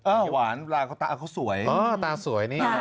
อ้าวหวานตาเขาสวย